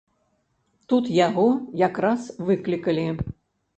Тут яго якраз выклікалі.